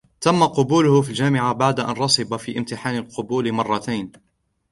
تم قبوله في الجامعة بعد أن رسب في امتحان القبول مرتين.